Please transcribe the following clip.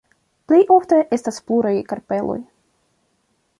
Plejofte, estas pluraj karpeloj.